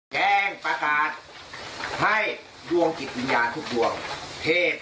แจ้งประกาศให้ดวงกิจยุนยานทุกดวงเพธ